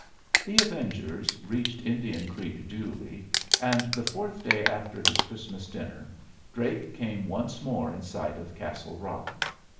The avengers reached Indian Creek duly, and the fourth day after his Christmas dinner Drake came once more in sight of Castle Rock.